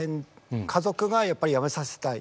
家族がやっぱりやめさせたい。